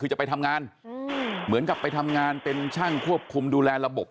คือจะไปทำงานเหมือนกับไปทำงานเป็นช่างควบคุมดูแลระบบ